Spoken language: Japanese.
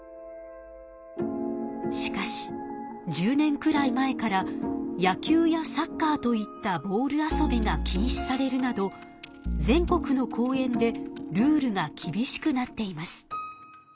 しかし１０年くらい前から野球やサッカーといったボール遊びがきんしされるなど全国の公園でルールがきびしくなっています。